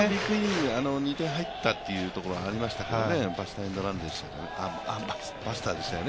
２点入ったというところがありましたけどね。